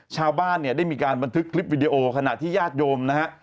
ชาวบ้านเนี่ยได้มีการบันทึกคลิปวิดีโอขณะที่ญาติโยมนะฮะ